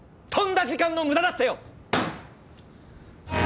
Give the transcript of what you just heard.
とんだ時間の無駄だったよ！